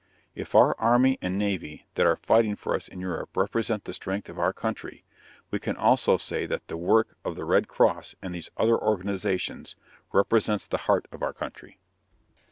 If our army and navy that are fighting for us in Europe represent the strength of our country, we can also say that the work of the Red Cross and these other organizations represents the heart of our country.